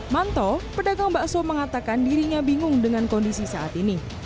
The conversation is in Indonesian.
manto pedagang bakso mengatakan dirinya bingung dengan kondisi saat ini